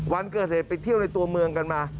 วันเกิดเหตุไปเที่ยวในตัวเมืองกันมา